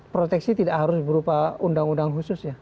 proteksi tidak harus berupa undang undang khusus ya